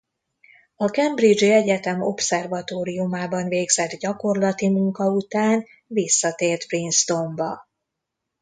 A cambridge-i egyetem obszervatóriumában végzett gyakorlati munka után visszatért Princetonba.